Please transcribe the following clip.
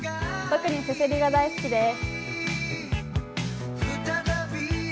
特にせせりが大好きです。